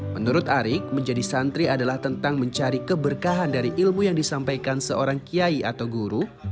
menurut arik menjadi santri adalah tentang mencari keberkahan dari ilmu yang disampaikan seorang kiai atau guru